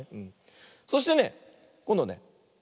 そしてねこんどね